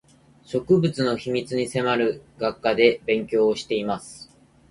植物の秘密に迫る学科で勉強をしています